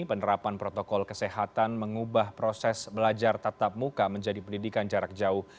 penerapan protokol kesehatan mengubah proses belajar tatap muka menjadi pendidikan jarak jauh